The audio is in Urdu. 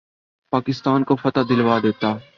پاکستان کو فتح دلوا دیتا